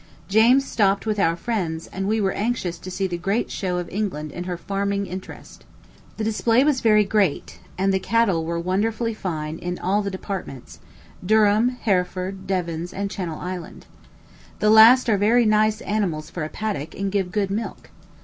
James stopped with our friends, and we were anxious to see the great show of England in her farming interest. The display was very great, and the cattle were wonderfully fine in all the departments Durham, Hereford, Devons, and Channel Island. The last are very nice animals for a paddock, and give good milk.